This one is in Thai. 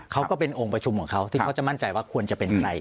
ก็เป็นองค์ประชุมของเขาที่เขาจะมั่นใจว่าควรจะเป็นใคร